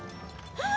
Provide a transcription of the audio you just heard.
ああ！